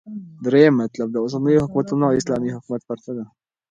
دريم مطلب - داوسنيو حكومتونو او اسلامې حكومت پرتله